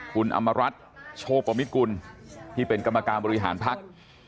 คุณอำมารัฐโชปมิตกุลที่เป็นกรรมการบริหารพัก